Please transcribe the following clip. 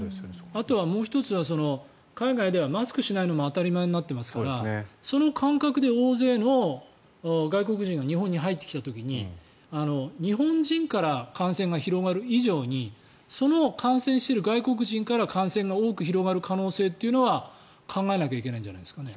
あとはもう１つは海外ではマスクしないのも当たり前になっていますからその感覚で大勢の外国人が日本に入ってきた時に日本人から感染が広がる以上にその感染している外国人から感染が多く広がる可能性というのは考えなきゃいけないんじゃないですかね。